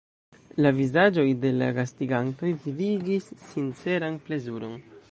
La vizaĝoj de la gastigantoj vidigis sinceran plezuron.